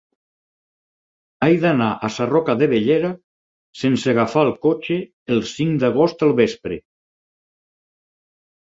He d'anar a Sarroca de Bellera sense agafar el cotxe el cinc d'agost al vespre.